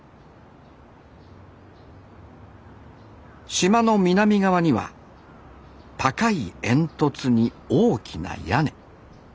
島の南側には高い煙突に大きな屋根。